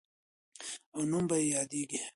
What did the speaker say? او نوم به یې یادیږي.